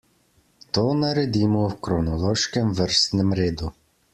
To naredimo v kronološkem vrstnem redu.